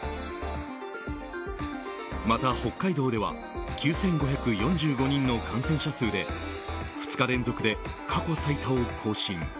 また北海道では９５４５人の感染者数で２日連続で過去最多を更新。